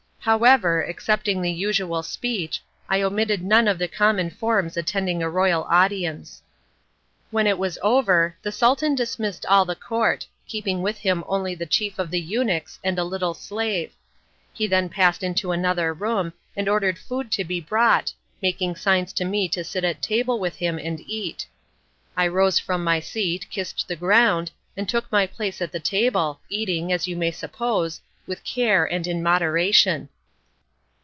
However, excepting the usual speech, I omitted none of the common forms attending a royal audience. When it was over the Sultan dismissed all the court, keeping with him only the chief of the eunuchs and a little slave. He then passed into another room and ordered food to be brought, making signs to me to sit at table with him and eat. I rose from my seat, kissed the ground, and took my place at the table, eating, as you may suppose, with care and in moderation.